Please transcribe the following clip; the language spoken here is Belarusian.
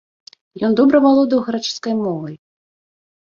Ён добра валодаў грэчаскай мовай.